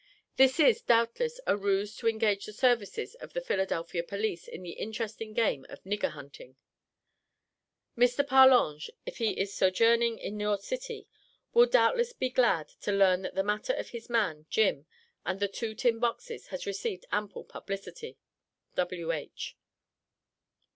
This is, doubtless, a ruse to engage the services of the Philadelphia police in the interesting game of nigger hunting. Mr. Parlange, if he is sojourning in your city, will doubtless be glad to learn that the matter of his man "Jim" and the two tin boxes has received ample publicity. W.H.